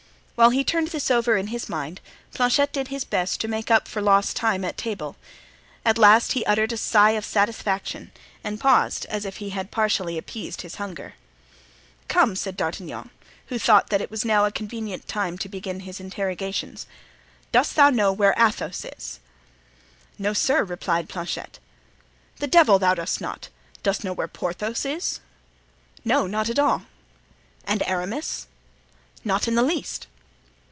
While he turned this over in his mind Planchet did his best to make up for lost time at table. At last he uttered a sigh of satisfaction and paused, as if he had partially appeased his hunger. "Come," said D'Artagnan, who thought that it was now a convenient time to begin his interrogations, "dost thou know where Athos is?" "No, sir," replied Planchet. "The devil thou dost not! Dost know where Porthos is?" "No—not at all." "And Aramis?" "Not in the least."